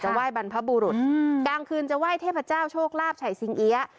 ไหว้บรรพบุรุษกลางคืนจะไหว้เทพเจ้าโชคลาภชัยสิงเอี๊ยะ